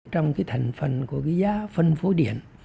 trong cái thành phần của cái giá phân phối điện